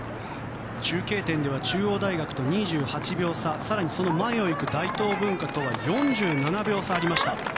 中継点では中央大学と２８秒差その前を行く大東文化とは４７秒差ありました。